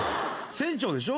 船長でしょ？